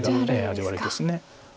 味悪いです。